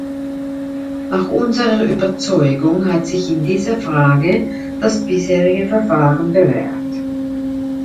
Nach unserer Überzeugung hat sich in dieser Frage das bisherige Verfahren bewährt.